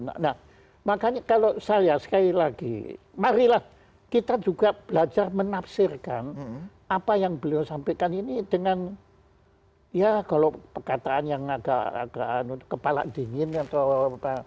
nah makanya kalau saya sekali lagi marilah kita juga belajar menafsirkan apa yang beliau sampaikan ini dengan ya kalau perkataan yang agak kepala dingin atau apa